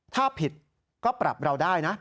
ถ้าผิดก็ปรับเราได้นะ